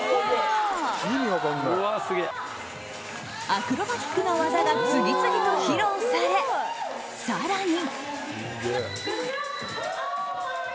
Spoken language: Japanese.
アクロバティックな技が次々と披露され、更に。